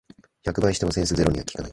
百倍してもセンスゼロには効かない